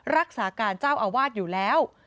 รักษาการเจ้าอาวาสอยู่แล้ว